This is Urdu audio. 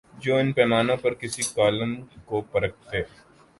جو ان پیمانوں پر کسی کالم کو پرکھتے